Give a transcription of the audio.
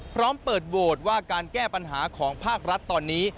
พร้อมเปิดโหวตว่าการแก้ปัญหาของภาครัฐตอนนี้